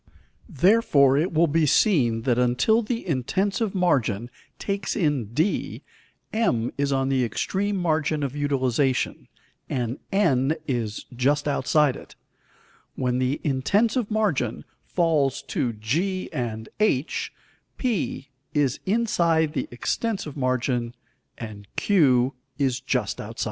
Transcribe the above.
Therefore it will be seen that until the intensive margin takes in d, M is on the extreme margin of utilization, and N is just outside it; when the intensive margin falls to g and h, P is inside the extensive margin, and Q is just outside.